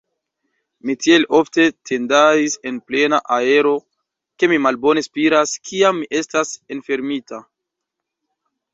Mi tiel ofte tendaris en plena aero, ke mi malbone spiras, kiam mi estas enfermita.